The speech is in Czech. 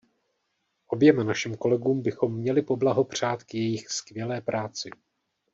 Oběma našim kolegům bychom měli poblahopřát k jejich skvělé práci.